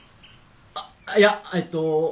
あっいやえっと